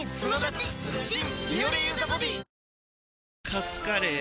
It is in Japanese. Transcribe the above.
カツカレー？